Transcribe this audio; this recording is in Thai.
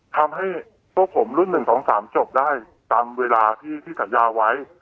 ทำให้พวกผมรุ่น๑๒๓จบได้ตามเวลาที่สัญญาไว้